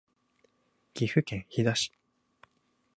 岐阜県飛騨市